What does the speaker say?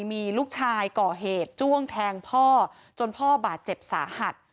มีลูกชายก่อเหตุจ้วงแทงพ่อจนพ่อบาดเจ็บสาหัส